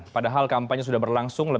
padahal kampanye sudah berlangsung